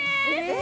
え